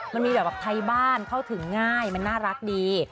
มันมีแบบไทยบ้านเข้าถึงง่ายมันน่ารักดี